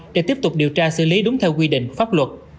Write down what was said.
để tiếp tục điều tra xử lý đúng theo quy định pháp luật